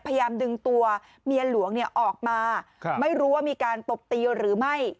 พยายามดึงตัวเมียหลวงเนี่ยออกมาไม่รู้ว่ามีการตบตีหรือไม่